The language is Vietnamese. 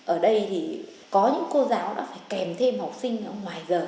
ở đây thì có những cô giáo đã phải kèm thêm học sinh ở ngoài giờ